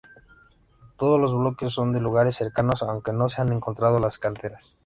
Todos los bloques son de lugares cercanos, aunque no se han encontrado las canteras.